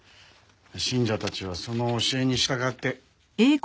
信者たちはその教えに従って。